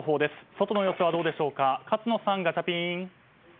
外の様子はどうでしょうか勝野さん、ガチャピン。